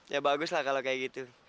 ya bagus lah kalau kayak gitu